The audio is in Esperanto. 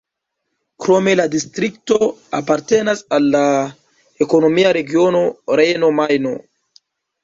Krome la distrikto apartenas al la ekonomia regiono Rejno-Majno.